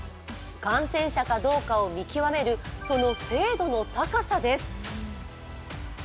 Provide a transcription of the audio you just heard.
感染者かどうかを見極める、その精度の高さです。